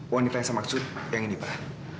wanita yang saya maksud yang ini bahan